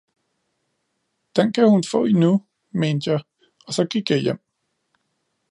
Den kan hun få endnu, mente jeg, og så gik jeg hjem